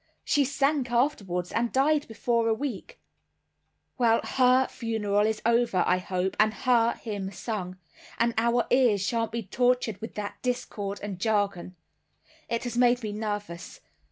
She sank afterwards, and died before a week." "Well, her funeral is over, I hope, and her hymn sung; and our ears shan't be tortured with that discord and jargon. It has made me nervous.